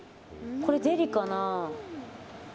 これ、デリかな。